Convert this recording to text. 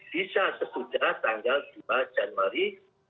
bisa sesudah tanggal dua januari